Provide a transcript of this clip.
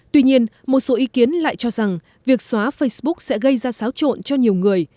tuy nhiên một số ý kiến lại cho rằng việc xóa facebook sẽ gây ra xáo trộn cho nhiều người